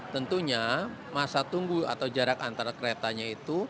tentunya masa tunggu atau jarak antara keretanya itu